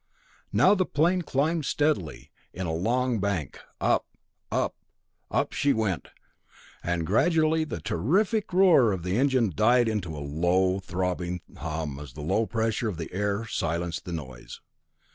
Now the plane climbed steadily in a long bank; up, up, up she went, and gradually the terrific roar of the engine died to a low throbbing hum as the low pressure of the air silenced the noise.